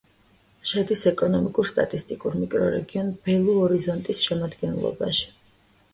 შედის ეკონომიკურ-სტატისტიკურ მიკრორეგიონ ბელუ-ორიზონტის შემადგენლობაში.